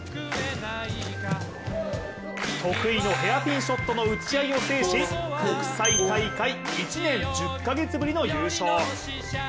得意のヘアピンショットの打ち合いを制し国際大会１年１０カ月ぶりの優勝。